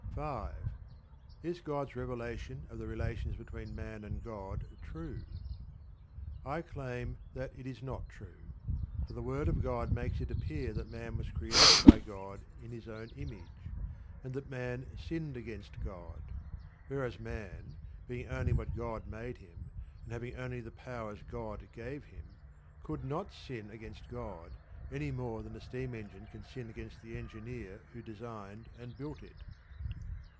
5. Is God's revelation of the relations between man and God true? I claim that it is not true. For the word of God makes it appear that man was created by God in His own image, and that man sinned against God. Whereas man, being only what God made him, and having only the powers God gave him, could not sin against God any more than a steam engine can sin against the engineer who designed and built it.